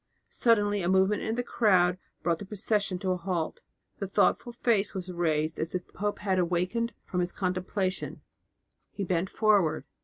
Suddenly a movement in the crowd brought the procession to a halt; the thoughtful face was raised as if the pope had awakened from his contemplation; he bent forward.